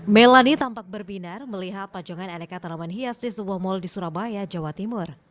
melani tampak berbinar melihat pajongan aneka tanaman hias di sebuah mal di surabaya jawa timur